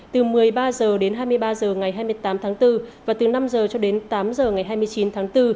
từ một mươi ba h đến hai mươi ba h ngày hai mươi tám tháng bốn và từ năm h cho đến tám h ngày hai mươi chín tháng bốn